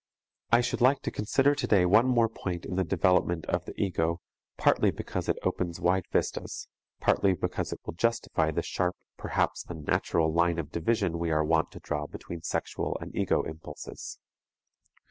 I should like to consider today one more point in the development of the ego, partly because it opens wide vistas, partly because it will justify the sharp, perhaps unnatural line of division we are wont to draw between sexual and ego impulses.